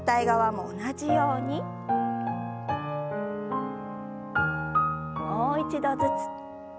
もう一度ずつ。